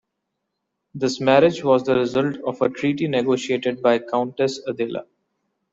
This marriage was the result of a treaty negotiated by countess Adela.